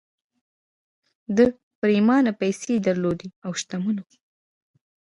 ده پرېمانه پيسې درلودې او شتمن و